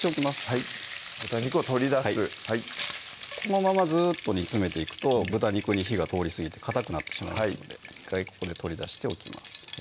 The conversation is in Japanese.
はい豚肉を取り出すこのままずっと煮詰めていくと豚肉に火が通りすぎてかたくなってしまいますので１回ここで取り出しておきます